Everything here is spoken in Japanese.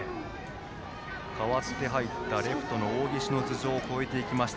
代わって入ったレフトの大岸の頭上を越えていきました。